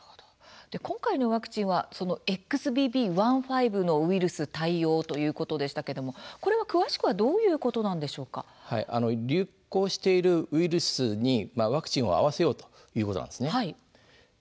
今回のワクチンはＸＢＢ．１．５のウイルス対応ということでしたけれどもこれは詳しくは流行しているウイルスにワクチンを合わせようということなんです。